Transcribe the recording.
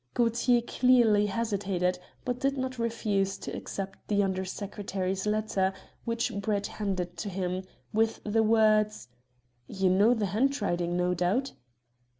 Gaultier clearly hesitated, but did not refuse to accept the Under Secretary's letter, which Brett handed to him, with the words "You know the handwriting, no doubt?"